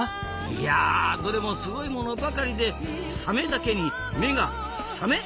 いやどれもすごいものばかりでサメだけに目がサメるようでしたなあ。